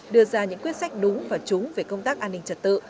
đưa ra những quyết sách đúng và trúng về công tác an ninh trật tự